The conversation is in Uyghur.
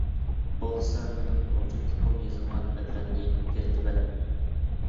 بولسا مىنىڭ مەۋجۇتلۇقۇم يېزىلغان بەتلەرنى يىرتىۋەت!